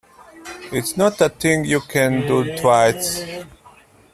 It's not a thing you can do twice.